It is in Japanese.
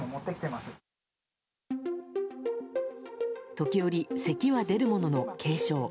時折、せきは出るものの軽症。